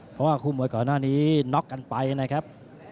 เพราะว่าคู่มวยก่อนหน้านี้น็อกกันไปนะครับ